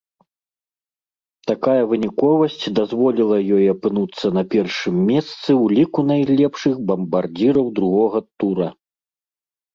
Такая выніковасць дазволіла ёй апынуцца на першым месцы ў ліку найлепшых бамбардзіраў другога тура.